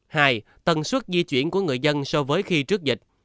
hai tầng suất di chuyển của người dân so với khi trước dịch